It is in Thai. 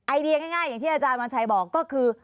เดียง่ายอย่างที่อาจารย์วันชัยบอกก็คือ